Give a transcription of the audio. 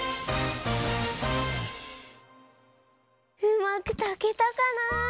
うまくたけたかな？